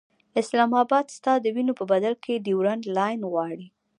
اسلام اباد ستا د وینو په بدل کې ډیورنډ لاین غواړي.